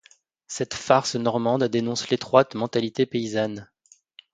Cette farce normande dénonce l'étroite mentalité paysanne.